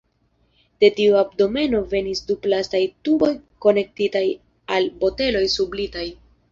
De tiu abdomeno venis du plastaj tuboj konektitaj al boteloj sublitaj.